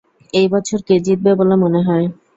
এই বছর কে জিতবে বলে মনে হয়?